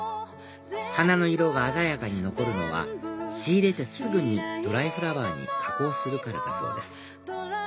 花の色が鮮やかに残るのは仕入れてすぐにドライフラワーに加工するからだそうです